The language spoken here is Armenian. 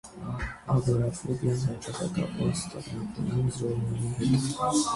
Ագորաֆոբիան հաճախ կապված է տագնապային գրոհների հետ։